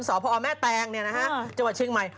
สพแม่แตงจังหวัดเชียงใหม่